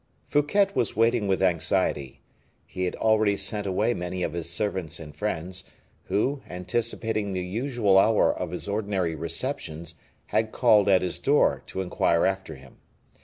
Fouquet was waiting with anxiety; he had already sent away many of his servants and friends, who, anticipating the usual hour of his ordinary receptions, had called at his door to inquire after him.